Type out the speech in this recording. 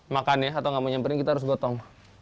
makan ya atau nggak mau nyamperin kita harus gotong